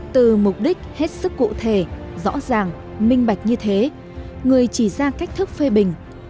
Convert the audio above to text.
từ mục đích hết sức cụ thể rõ ràng minh bạch như thế người chỉ ra cách thức phê bình